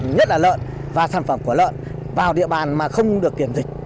nhất là lợn và sản phẩm của lợn vào địa bàn mà không được kiểm dịch